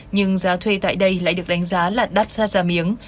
nhưng giá thuê tại đây lại được đánh giá là đắt ra giả miếng